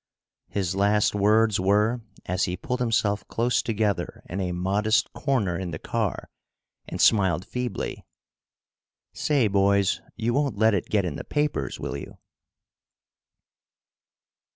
His last words were, as he pulled himself close together in a modest corner in the car and smiled feebly: "Say, boys, you won't let it get in the papers, will you?"